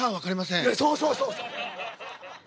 そうそうそうそう！